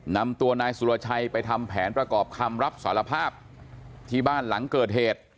นำตัวนายสุรชัยไปทำแผนประกอบคำรับสารภาพที่บ้านหลังเกิดเหตุ